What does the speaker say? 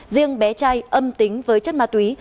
riêng bé trai âm tính với chất ma túy